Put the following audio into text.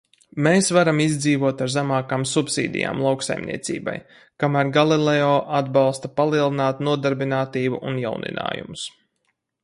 Mēs varam izdzīvot ar zemākām subsīdijām lauksaimniecībai, kamēr Galileo atbalsta palielinātu nodarbinātību un jauninājumus.